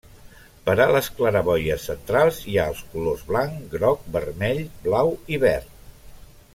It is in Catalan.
Per a les claraboies centrals hi ha els colors: blanc, groc, vermell, blau i verd.